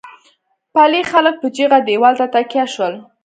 پلې خلک په چيغه دېوال ته تکيه شول.